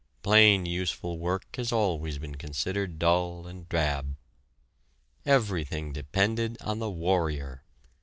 Plain useful work has always been considered dull and drab. Everything depended on the warrior.